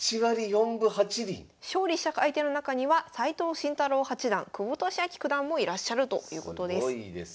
勝利した相手の中には斎藤慎太郎八段久保利明九段もいらっしゃるということです。